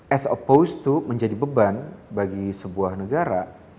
as opposed to menjadi beban bagi sebuah negara